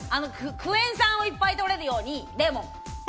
クエン酸をいっぱい取れるように、レモン。